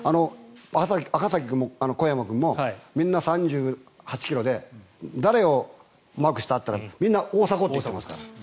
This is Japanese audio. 赤崎君も小山君もみんな３８ｋｍで誰をマークしたといったらみんな大迫って言ってました。